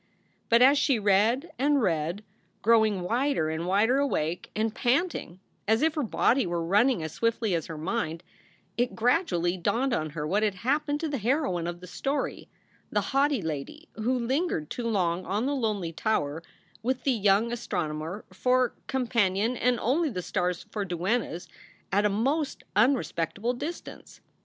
But as she read and read, growing wider and wider awake and panting as if her body were running as swiftly as her mind, it gradually dawned on her what had happened to the heroine of the story, the haughty lady who lingered too long on the lonely tower with the young astronomer for companion and only the stars for duennas at a most unrespectable distance.